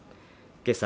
けさ